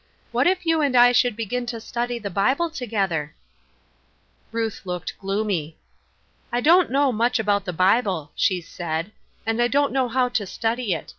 What if you and I should begin to study the Bible together ?" Ruth looked gloomy. " I don't know much about the Bible," she said ;" and I don't know how to study it.